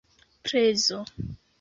prezo